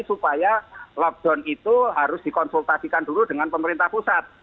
supaya lockdown itu harus dikonsultasikan dulu dengan pemerintah pusat